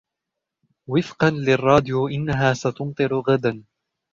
وفقاً للراديو إنها ستمطر غداً.